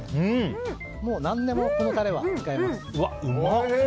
何でもこのタレは使えます。